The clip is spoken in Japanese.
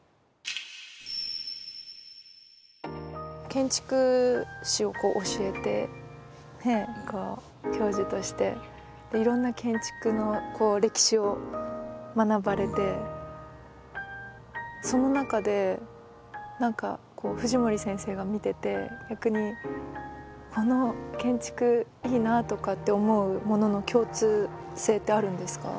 建築史を教えて教授として。でいろんな建築の歴史を学ばれてその中で何か藤森先生が見てて逆にこの建築いいなとかって思うものの共通性ってあるんですか？